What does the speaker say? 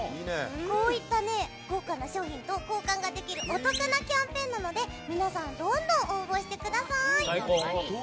こういった豪華な商品と交換できるお得なキャンペーンなので皆さんどんどん応募してください！